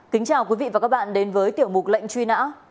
kính chào quý vị và các bạn đến với tiểu mục lệnh truy nã